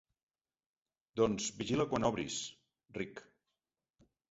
Doncs vigila quan l'obris —ric—.